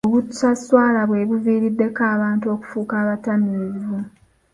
Obutaswala bwe buviiriddeko abantu okufuuka abatamiivi.